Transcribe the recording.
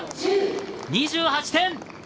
２８点。